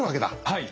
はい。